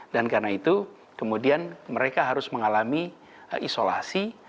dan karena itu kemudian mereka harus mengalami isolasi